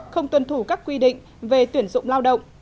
không tuân thủ các quy định về tuyển dụng lao động